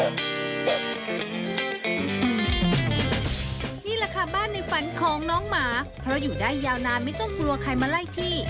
นี่แหละค่ะบ้านในฝันของน้องหมาเพราะอยู่ได้ยาวนานไม่ต้องกลัวใครมาไล่ที่